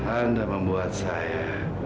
anda membuat saya